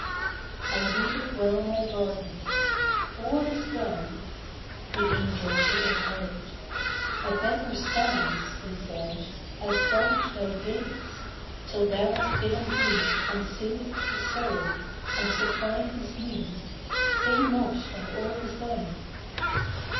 I weeded well my garden. 'All is done.' The Angel shook his head. 'A beggar stands,' he said, 'Outside thy gates; till thou hast given heed And soothed his sorrow, and supplied his need, Say not that all is done.